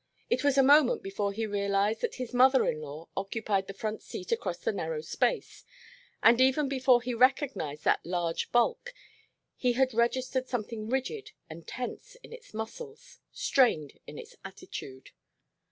It was a moment before he realized that his mother in law occupied the front seat across the narrow space, and even before he recognized that large bulk, he had registered something rigid and tense in its muscles; strained in its attitude.